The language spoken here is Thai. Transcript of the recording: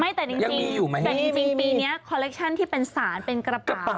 แต่จริงแต่จริงปีนี้คอลเลคชั่นที่เป็นสารเป็นกระเป๋า